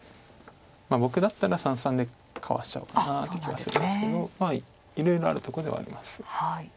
僕だったら三々でかわしちゃうかなって気はするんですけどいろいろあるとこではあります。